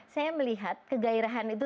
saya melihat kegairahan itu